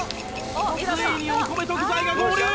ついにお米と具材が合流！